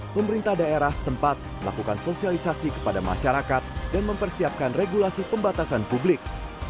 pemerintah daerah setempat melakukan sosialisasi kepada masyarakat dan mempersiapkan regulasi pembatasan publik